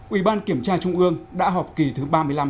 ủy ban kiểm tra trung ương đã họp kỳ thứ ba mươi năm